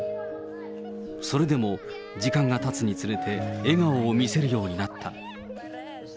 それでも、時間がたつにつれて笑顔を見せるようになった。